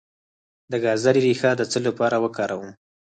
د ګازرې ریښه د څه لپاره وکاروم؟